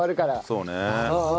そうね。